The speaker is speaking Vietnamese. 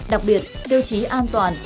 đặc biệt tiêu chí an toàn